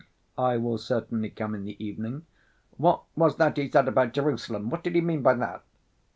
"I will certainly come in the evening." "What was that he said about Jerusalem?... What did he mean by that?"